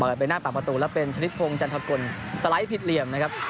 เปิดมงในหน้าปากประตูและเป็นชฤฌริภงจันทนขนสาร้อยพิดเหลี่ยมนะครับ